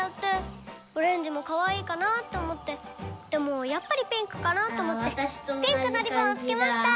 オレンジもかわいいかなって思ってでもやっぱりピンクかなって思ってピンクのリボンをつけました！